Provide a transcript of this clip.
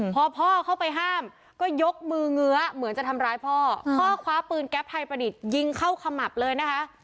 พอพ่อเข้าไปห้ามก็ยกมือเงื้อเหมือนจะทำร้ายพ่อพ่อคว้าปืนแก๊ปไทยประดิษฐ์ยิงเข้าขมับเลยนะคะ